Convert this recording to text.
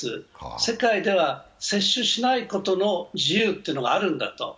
世界では接種しないことの自由があるんだと。